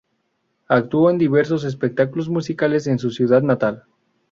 Actuó en diversos espectáculos musicales en su ciudad natal.